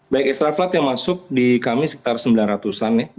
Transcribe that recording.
baik ekstra flight yang masuk di kami sekitar sembilan ratusan ya